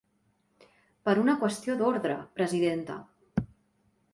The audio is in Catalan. Per una qüestió d’ordre, presidenta.